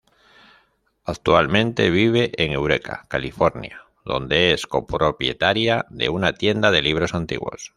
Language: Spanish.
Actualmente vive en Eureka, California, donde es copropietaria de una tienda de libros antiguos.